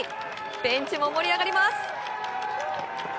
ベンチも盛り上がります！